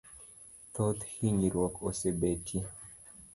Thoth hinyruokgo osebetie